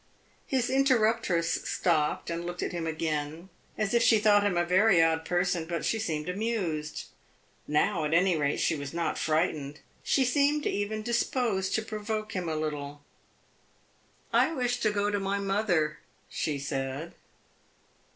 His interruptress stopped and looked at him again, as if she thought him a very odd person; but she seemed amused. Now, at any rate, she was not frightened. She seemed even disposed to provoke him a little. "I wish to go to my mother," she said.